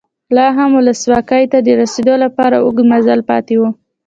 لا هم ولسواکۍ ته د رسېدو لپاره اوږد مزل پاتې و.